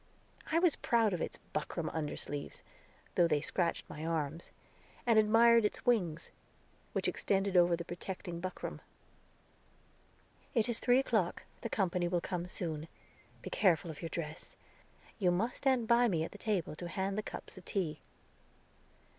I was proud of its buckram undersleeves, though they scratched my arms, and admired its wings, which extended over the protecting buckram. "It is three o'clock; the company will come soon. Be careful of your dress. You must stand by me at the table to hand the cups of tea."